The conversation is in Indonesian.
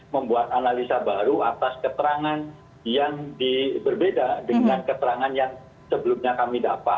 membuat analisa baru atas keterangan yang berbeda dengan keterangan yang sebelumnya kami dapat